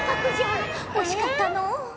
惜しかったのう。